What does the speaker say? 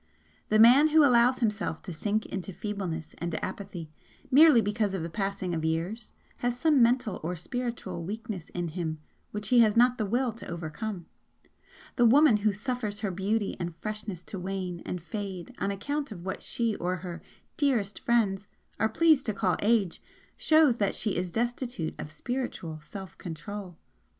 The man who allows himself to sink into feebleness and apathy merely because of the passing of years has some mental or spiritual weakness in him which he has not the Will to overcome the woman who suffers her beauty and freshness to wane and fade on account of what she or her 'dearest' friends are pleased to call 'age,' shows that she is destitute of spiritual self control.